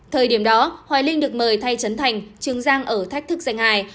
thời điểm đó hoài linh được mời thay trấn thành trường giang ở thách thức danh hài